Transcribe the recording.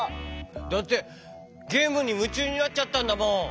だってゲームにむちゅうになっちゃったんだもん。